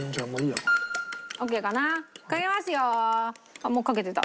あっもうかけてた。